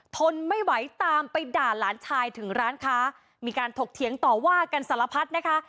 ทนไม่ไหวตามไปด่าหลานชายถึงร้านค้ามีการถกเถียงต่อว่ากันสารพัดนะคะ